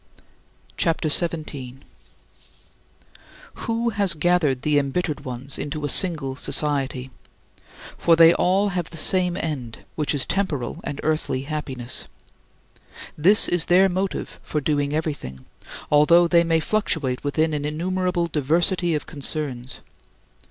" CHAPTER XVII 20. Who has gathered the "embittered ones" into a single society? For they all have the same end, which is temporal and earthly happiness. This is their motive for doing everything, although they may fluctuate within an innumerable diversity of concerns.